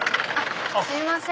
あっすいません。